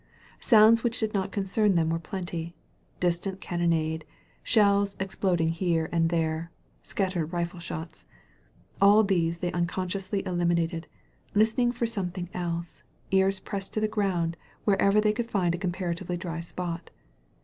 Sounds which did not concern them were plenty — distant cannonade, shells exploding here and there, scattered rifle shots. All these they unconsciously eliminated, listening for something else, ears pressed to the ground wherever they could find a compara tively dry spot.